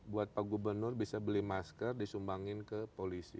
buat pak gubernur bisa beli masker disumbangin ke polisi